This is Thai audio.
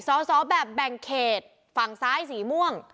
สอบแบบแบ่งเขตฝั่งซ้ายสีม่วง